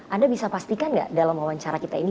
anda bisa pastikan nggak dalam wawancara kita ini